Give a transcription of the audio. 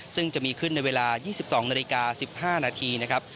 ซึ่งจะมีขึ้นในเวลา๒๒นาฬิกา๑๕นาทีนะครับ